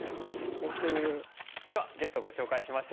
ではゲストをご紹介しましょう。